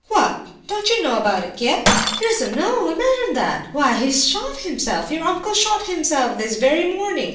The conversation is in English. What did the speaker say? "What! don't you know about it yet? He doesn't know—imagine that! Why, he's shot himself. Your uncle shot himself this very morning.